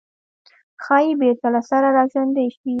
ښايي بېرته له سره راژوندي شي.